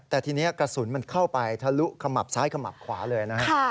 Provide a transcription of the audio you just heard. แต่ทีนี้กระสุนมันเข้าไปทะลุขมับซ้ายขมับขวาเลยนะฮะ